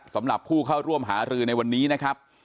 สำหรับผู้เข้าร่วมหารือในวันนี้นะครับ